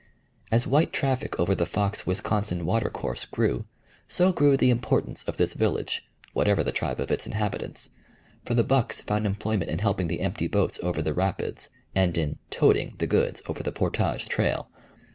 As white traffic over the Fox Wisconsin watercourse grew, so grew the importance of this village, whatever the tribe of its inhabitants; for the bucks found employment in helping the empty boats over the rapids and in "toting" the goods over the portage trail.